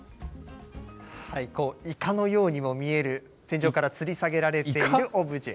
イカのようにも見える天井からつり下げられているオブジェ。